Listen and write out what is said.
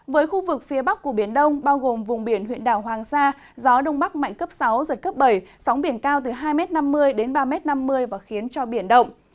với khu vực phía bắc của biển đông bao gồm vùng biển huyện đảo hoàng sa gió đông bắc mạnh cấp sáu giật cấp bảy sóng biển cao từ hai năm mươi đến ba năm mươi và khiến cho biển động